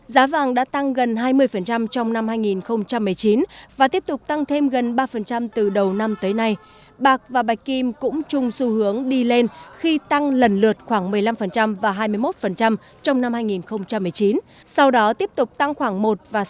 giá vàng đã tăng gần hai mươi trong năm hai nghìn